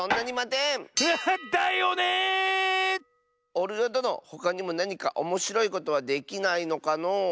おるよどのほかにもなにかおもしろいことはできないのかのう？